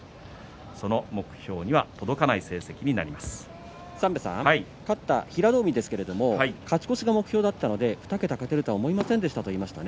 その目標には勝った平戸海ですけれども勝ち越しが目標だったので２桁、勝てると思いませんでしたと言いました。